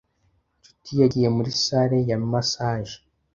Nshuti yagiye muri salle ya massage.